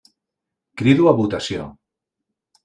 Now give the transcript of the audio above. Crido a votació.